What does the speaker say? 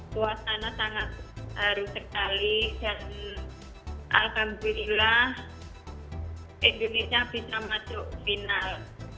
suasana sangat haru sekali dan alhamdulillah indonesia bisa masuk final